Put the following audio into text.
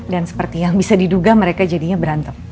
dan seperti yang bisa diduga mereka jadinya berantem